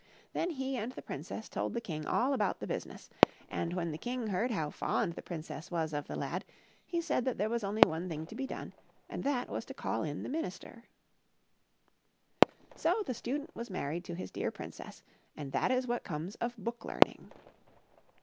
Then he and the princess told the king all about the business, and when the king heard how fond the princess was of the lad, he said that there was only one thing to be done, and that was to call in the minister. THE CLEVER STUDENT AND THE MASTER OF BLACK ARTS. 6l So the Student was married to his dear princess, and that is what comes of book learning.